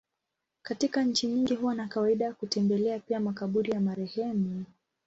Katika nchi nyingi huwa na kawaida ya kutembelea pia makaburi ya marehemu.